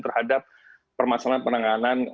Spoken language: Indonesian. terhadap permasalahan penanganan